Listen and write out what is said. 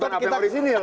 bukan apa yang orisinil